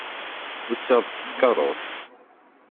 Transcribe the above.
Usiɣ-d s tkeṛṛust.